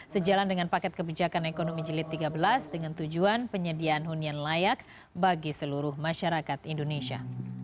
sejalan dengan paket kebijakan ekonomi jelit tiga belas dengan tujuan penyediaan hunian layak bagi seluruh masyarakat indonesia